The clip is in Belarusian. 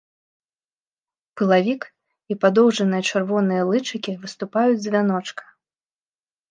Пылавік і падоўжаныя чырвоныя лычыкі выступаюць з вяночка.